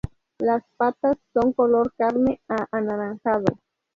Las patas son color carne a anaranjado.